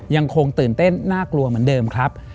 ยังคงตื่นเต้นน่ากลัวเหมือนเดิมครับ